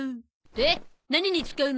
で何に使うの？